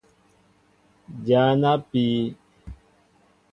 Dya na pii.